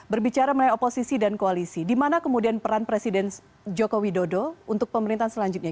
berbicara mengenai oposisi dan koalisi di mana kemudian peran presiden joko widodo untuk pemerintahan selanjutnya